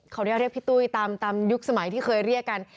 เรียกพี่ตุ้ยตามยุคสมัยที่เคยเรียกกัน